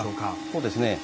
そうですね。